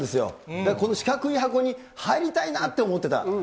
だからこの四角い箱に入りたいなって思ってた。